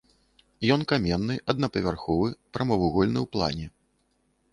Ён каменны, аднапавярховы, прамавугольны ў плане.